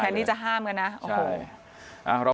ที่จะห้ามกันนะโอ้โห